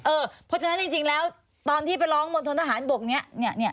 เพราะฉะนั้นจริงแล้วตอนที่ไปร้องมณฑนทหารบกนี้